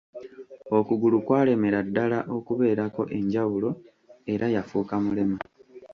Okugulu kwalemera ddala okubeerako enjawulo, era yafuuka mulema.